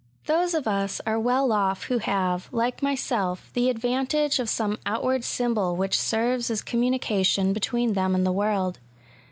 Those of us are well off who have, like myself, the advantage of some outward symbol which serves^ as communication between them and the world.